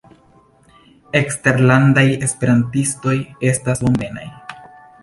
Eksterlandaj esperantistoj estas bonvenaj.